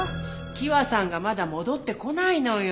希和さんがまだ戻ってこないのよ。